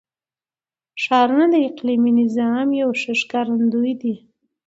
ښارونه د اقلیمي نظام یو ښه ښکارندوی دی.